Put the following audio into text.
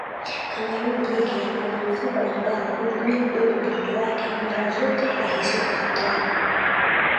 Kangaroo jike ana mfuko ambao hutumia kubebea mtoto wake mara zote ahisipo hatari